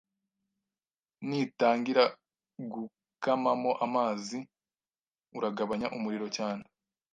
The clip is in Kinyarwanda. Nitangira gukamamo amazi, uragabanya umuriro cyane,